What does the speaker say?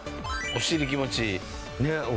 お尻気持ちいい。